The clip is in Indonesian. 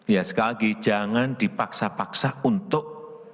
ya sekali lagi jangan dipaksa paksa untuk